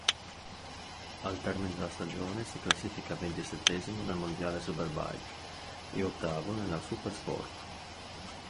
Al termine della stagione si classifica ventisettesimo nel mondiale Superbike e ottavo nella Supersport.